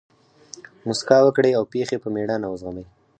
مسکا وکړئ! او پېښي په مېړانه وزغمئ!